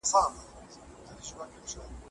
ګودر ته راشه کور ته نه درسره ځمه